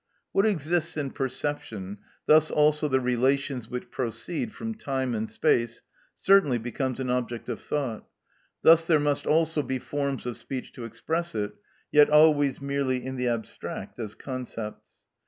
What exists in perception, thus also the relations which proceed from time and space, certainly becomes an object of thought; thus there must also be forms of speech to express it, yet always merely in the abstract, as concepts.